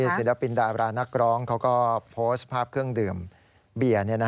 ที่ศิลปินดารานักร้องเขาก็โพสต์ภาพเครื่องดื่มเบียร์นี่นะครับ